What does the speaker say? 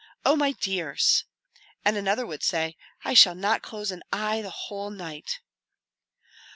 Oh, my dears!" and another would say, "I shall not close an eye the whole night!"